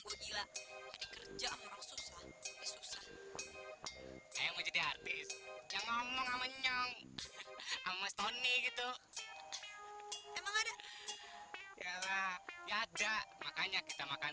gila kerja susah susah jadi artis yang ngomong nyong nyong tony gitu ya ada makanya kita makan